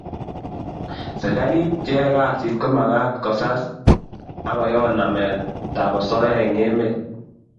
serekalit cheyae kasit komakat kosas akoyon namet ap osoya eng emet